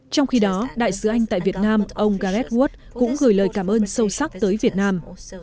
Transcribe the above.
trong khi đó đại sứ anh tại việt nam ông gareth wood cũng gửi lời cảm ơn sâu sắc tới việt nam